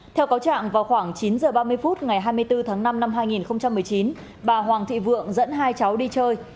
theo cáo trạng vào khoảng chín h ba mươi phút ngày hai mươi bốn tháng năm năm hai nghìn một mươi chín bà hoàng thị vượng dẫn hai cháu đi chơi